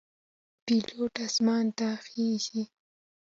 پیلوټ آسمان ته خیژي.